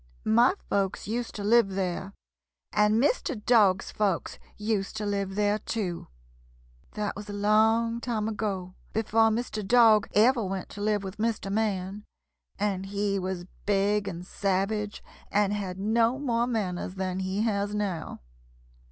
My folks used to live there and Mr. Dog's folks used to live there, too. That was a long time ago, before Mr. Dog ever went to live with Mr. Man, and he was big and savage and had no more manners than he has now.